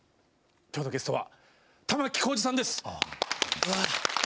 今日のゲストは玉置浩二さんです。